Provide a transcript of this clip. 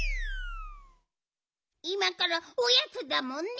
いまからおやつだもんね。